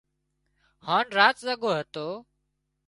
هانَ رات زڳو هتو